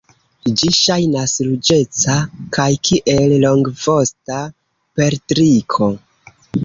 Ĝi ŝajnas ruĝeca kaj kiel longvosta perdriko.